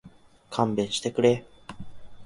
勘弁してくれ